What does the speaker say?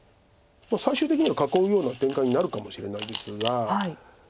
最終的には囲うような展開になるかもしれないですが。